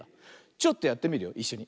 ちょっとやってみるよいっしょに。